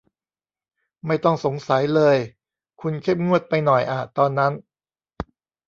ไม่ต้องสงสัยเลย คุณเข้มงวดไปหน่อยอ่ะตอนนั้น